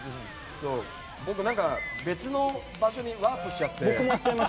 僕、別の場所にワープしちゃって。